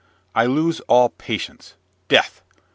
I lose all patience! Death!